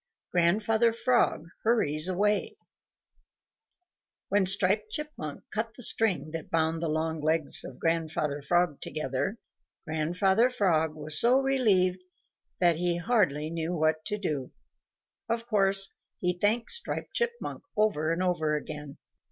XVIII GRANDFATHER FROG HURRIES AWAY When Striped Chipmunk cut the string that bound the long legs of Grandfather Frog together, Grandfather Frog was so relieved that he hardly knew what to do. Of course he thanked Striped Chipmunk over and over again.